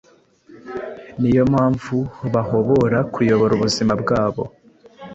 Niyo mpamvu bahobora kuyobora ubuzima bwabo